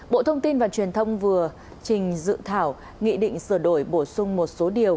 bộ thông tin và truyền thông vừa trình dự thảo nghị định sửa đổi bổ sung một số điều